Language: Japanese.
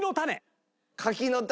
柿の種。